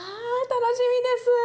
あ楽しみです！